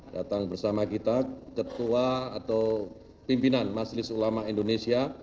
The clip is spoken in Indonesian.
datang bersama kita ketua atau pimpinan majelis ulama indonesia